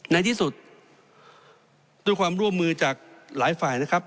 ในที่สุดด้วยความร่วมมือจากหลายฝ่ายนะครับ